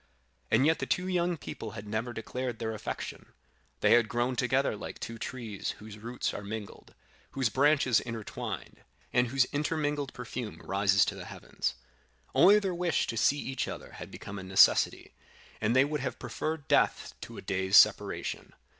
And yet the two young people had never declared their affection; they had grown together like two trees whose roots are mingled, whose branches intertwined, and whose intermingled perfume rises to the heavens. Only their wish to see each other had become a necessity, and they would have preferred death to a day's separation.